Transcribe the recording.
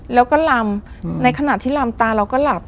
แล้วก็ลำในขณะที่ลำตาเราก็หลับ